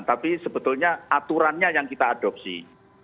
tapi sebetulnya aturannya yang kita adopsi